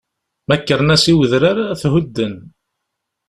Ma kkren-as i udrar, ad t-hudden.